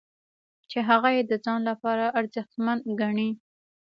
چې هغه یې د ځان لپاره ارزښتمن ګڼي.